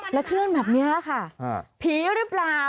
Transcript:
แล้วเคลื่อนแบบนี้ค่ะผีหรือเปล่า